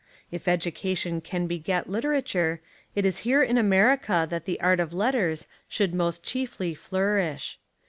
If education can beget literature, it is here in America that the art of letters should most chiefly flourish.